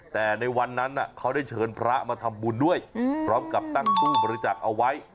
แต่ในวันนั้นเขาได้เชิญพระมาทำบุญด้วยพร้อมกับตั้งตู้บริจักษ์เอาไว้